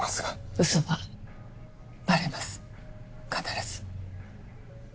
ウソはバレます必ず。